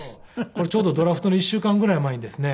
これちょうどドラフトの１週間ぐらい前にですね